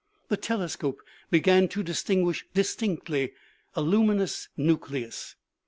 The telescope began to distinguish distinctly a luminous nucleus.